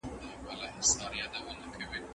د فشار اوږدوالی اغېزه لري.